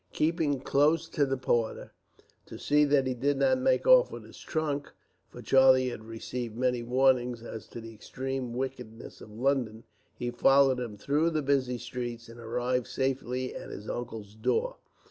Keeping close to the porter, to see that he did not make off with his trunk, for Charlie had received many warnings as to the extreme wickedness of London, he followed him through the busy streets, and arrived safely at his uncle's door.